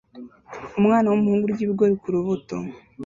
Umwana wumuhungu urya ibigori kurubuto